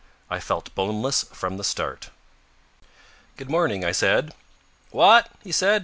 I felt boneless from the start. "Good morning," I said. "What?" he said.